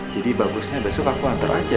jadi bagusnya besok aku antar aja